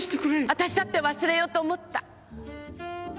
私だって忘れようと思った。